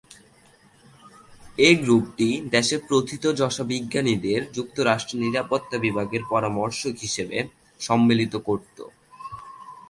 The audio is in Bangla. এই গ্রুপটি দেশের প্রথিতযশা বিজ্ঞানীদের যুক্তরাষ্ট্রের নিরাপত্তা বিভাগের পরামর্শক হিসেবে সম্মিলিত করত।